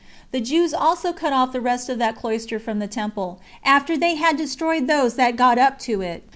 The Jews also cut off the rest of that cloister from the temple, after they had destroyed those that got up to it.